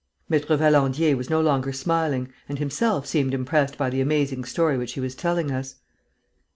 Maître Valandier was no longer smiling and himself seemed impressed by the amazing story which he was telling us.